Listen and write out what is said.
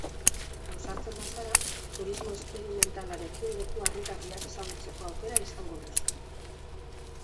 Ausartzen bazara, turismo esperimentalarekin leku harrigarriak ezagutzeko aukera izango duzu.